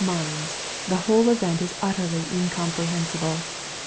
161 minds, the whole event is utterly incomprehensible.